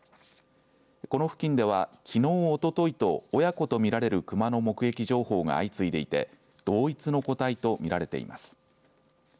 この付近ではきのう、おとといと親子と見られる熊の目撃情報が相次いでいて同一の個体と見られています。